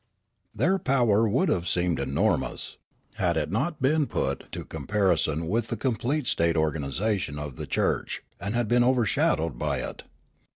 Their power would have seemed enormous, had it not been put into comparison with the complete state The Church and JournaHsm 97 organisation of the church and been overshadowed by it.